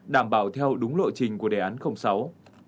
đảm bảo theo đúng lộ trình của đề án sáu